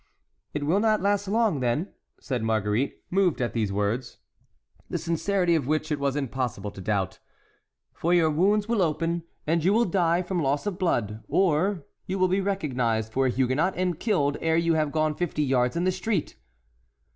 "It will not last long, then," said Marguerite, moved at these words, the sincerity of which it was impossible to doubt; "for your wounds will open, and you will die from loss of blood, or you will be recognized for a Huguenot and killed ere you have gone fifty yards in the street."